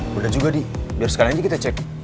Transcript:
bener juga d biar sekalian aja kita cek